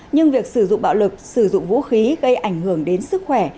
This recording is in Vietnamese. nhưng việc sử dụng bạo lực sử dụng vũ khí gây ảnh hưởng đến sức khỏe